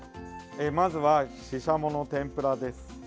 まずは、シシャモの天ぷらです。